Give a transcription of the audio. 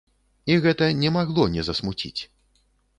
І гэта не магло не засмуціць.